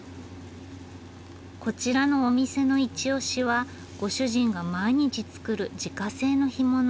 こちらのお店のいち押しはご主人が毎日作る自家製の干物。